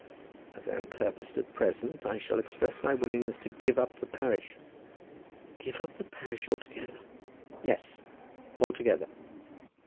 As I am purposed at present I shall express my willingness to give up the parish." "Give up the parish altogether?" "Yes, altogether."